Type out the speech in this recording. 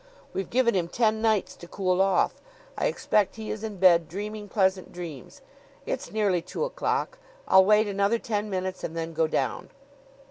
We've given him ten nights to cool off. I expect he is in bed, dreaming pleasant dreams. It's nearly two o'clock. I'll wait another ten minutes and then go down."